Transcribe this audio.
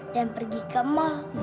dan pergi ke mall